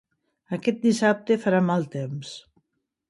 Aquest dissabte farà mal temps.